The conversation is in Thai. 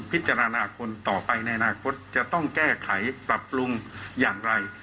พิจารณาคนต่อไปในอนาคตจะต้องแก้ไขปรับปรุงอย่างไร